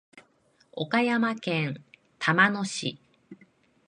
岡山県玉野市